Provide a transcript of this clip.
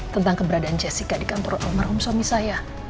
tentang keberadaan jessica di kantor rumah rumah suami saya